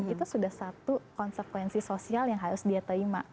itu sudah satu konsekuensi sosial yang harus dia terima